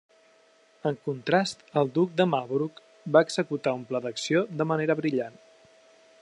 En contrast, el Duc de Marlborough va executar un pla d'acció de manera brillant.